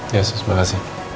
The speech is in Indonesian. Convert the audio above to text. ya sus makasih